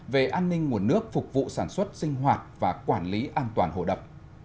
về an ninh nguồn nước phục vụ sản xuất sinh hoạt và quản lý an toàn hồ đập